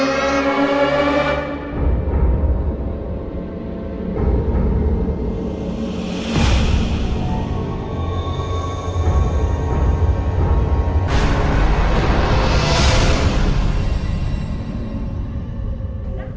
ได้ค่ะ